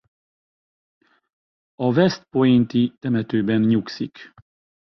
A West Point-i temetőben nyugszik.